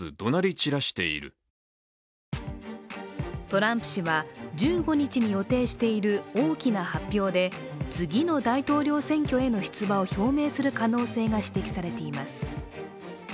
トランプ氏は、１５日に予定している大きな発表で次の大統領選挙への出馬を表明する可能性が指摘されています。